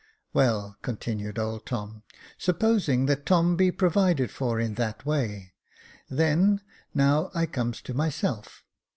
"Well," continued old Tom, "supposing that Tom be provided for in that way; then now I comes to myself.